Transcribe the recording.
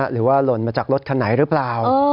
หรือว่าหล่นมาจากรถคันไหนหรือเปล่า